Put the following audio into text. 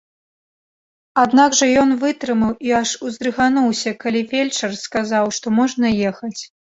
Аднак жа ён вытрымаў і аж уздрыгануўся, калі фельчар сказаў, што можна ехаць.